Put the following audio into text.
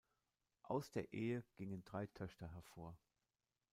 Aus der Ehe gingen drei Töchter hervor.